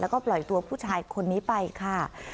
แล้วก็ปล่อยตัวผู้ชายคนนี้ไปค่ะ